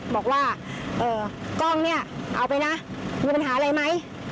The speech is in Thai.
บอกว่ากล้องเนี่ยเอาไปนะมีปัญหาอะไรไหม